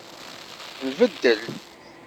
Nbeddel.